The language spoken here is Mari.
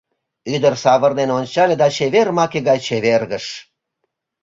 Ӱдыр савырнен ончале да чевер маке гай чевергыш.